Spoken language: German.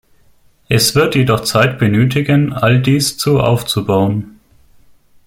Es wird jedoch Zeit benötigen, all dies zu aufzubauen.